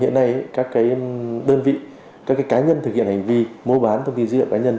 hiện nay các cái đơn vị các cái cá nhân thực hiện hành vi mô bán thông tin dữ liệu cá nhân